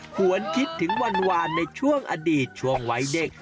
ควรคิดถึงวานในช่วงอดีตช่วงวัยเด็ก